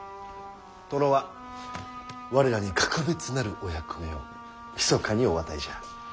殿は我らに格別なるお役目をひそかにお与えじゃ。